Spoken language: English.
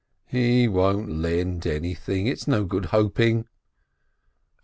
"He won't lend anything — it's no use hoping."